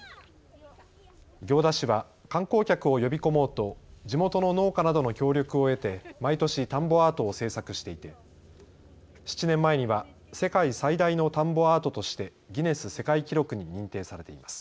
行田市は観光客を呼び込もうと地元の農家などの協力を得て毎年田んぼアートを制作していて７年前には世界最大の田んぼアートとしてギネス世界記録に認定されています。